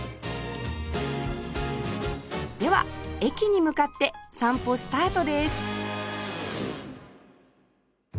では駅に向かって散歩スタートです